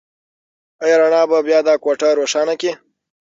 ایا رڼا به بيا دا کوټه روښانه کړي؟